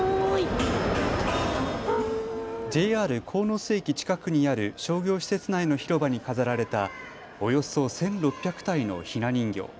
ＪＲ鴻巣駅近くにある商業施設内の広場に飾られたおよそ１６００体のひな人形。